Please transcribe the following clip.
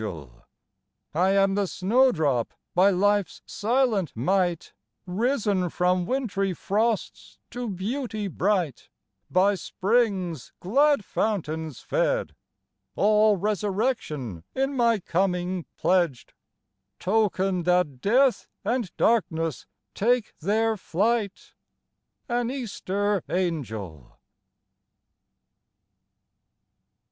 EASTER CAROLS 19 " I am the snowdrop, by life's silent might Risen from wintry frosts to beauty bright, By Spring's glad fountains fed, All resurrection in my coming pledged, Token that death and darkness take their flight, — An Easter angel